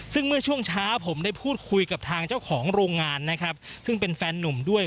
ซึ่งเมื่อช่วงเช้าผมได้พูดคุยกับทางเจ้าของโรงงานนะครับซึ่งเป็นแฟนนุ่มด้วย